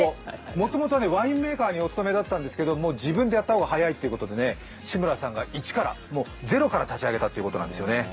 もともとワインメーカーにお勤めだったんですけど自分でやった方が早いということで志村さんが一からゼロから立ち上げたということなんですよね。